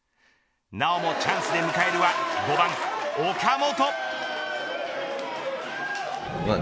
なおもチャンスで迎えるは５番岡本。